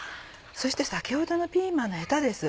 そして先ほどのピーマンのヘタです。